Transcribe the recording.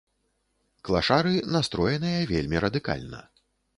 Клашары настроеныя вельмі радыкальна.